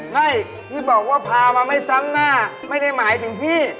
ไม่ที่บอกว่าพามาไม่ซ้ำหน้าไม่ได้หมายถึงพี่